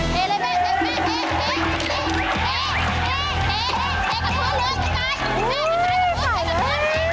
เร็วเต้มเต้นเดียวกันไว้เลย